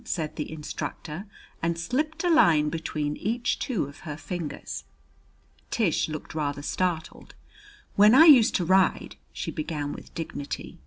said the instructor, and slipped a line between each two of her fingers. Tish looked rather startled. "When I used to ride " she began with dignity.